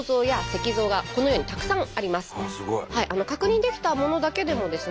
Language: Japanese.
確認できたものだけでもですね